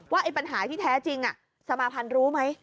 ปัญหาที่แท้จริงสมาภัณฑ์รู้ไหม